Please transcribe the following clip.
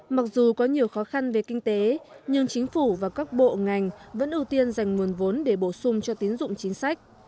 mặc dù có nhiều khó khăn về kinh tế nhưng chính phủ và các bộ ngành vẫn ưu tiên dành nguồn vốn để bổ sung cho tín dụng chính sách